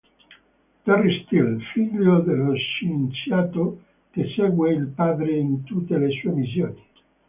Terry Steele: Figlio dello scienziato, che segue il padre in tutte le sue missioni.